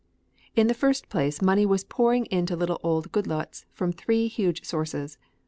In the first place money was pouring into little old Goodloets from three huge sources.